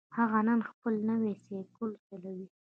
هغه نن خپل نوی سایکل چلوي